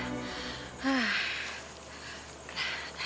anak sebagai tuan